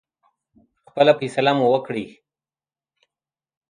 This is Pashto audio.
خپله فیصله مو وکړی.